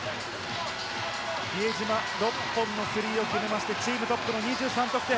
比江島、６本のスリーを決めましてチームトップの２３得点。